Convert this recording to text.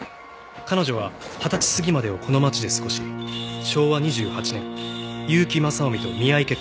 彼女は二十歳過ぎまでをこの町で過ごし昭和２８年結城正臣と見合い結婚。